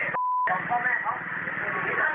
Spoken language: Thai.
เอ้ยพี่ทำเด็กอย่างนี้ไม่ได้